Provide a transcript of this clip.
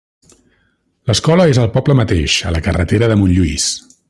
L'escola és al poble mateix, a la carretera de Montlluís.